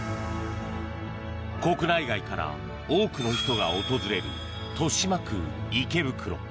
国内外から多くの人が訪れる豊島区池袋。